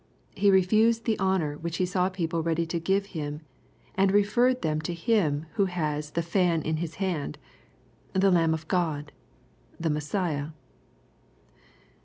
He refused the honor which he saw the people ready to give him, and referred them to Him who had the " fan in his hand," the Lamb of God, the Messiah.